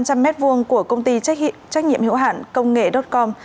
của công ty trách nhiệm hiệu hạn công nghệ com